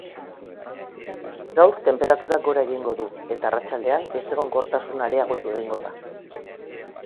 Gaur tenperaturak gora egingo du eta arratsaldean ezegonkortasuna areagotu egingo da.